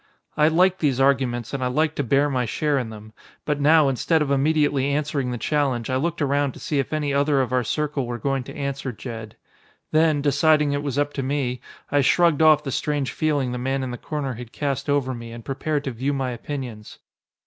I liked these arguments and I liked to bear my share in them, but now, instead of immediately answering the challenge, I looked around to see if any other of our circle were going to answer Jed. Then, deciding it was up to me, I shrugged off the strange feeling the man in the corner had cast over me, and prepared to view my opinions.